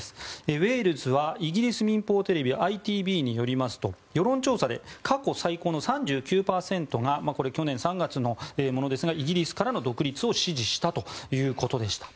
ウェールズはイギリス民放テレビＩＴＶによりますと世論調査で過去最高の３９％がこれ、去年３月のものですがイギリスからの独立を支持したということでした。